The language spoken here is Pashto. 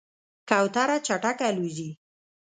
کوتره چټکه الوزي.